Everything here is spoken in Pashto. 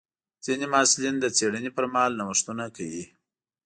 ځینې محصلین د څېړنې پر مهال نوښتونه کوي.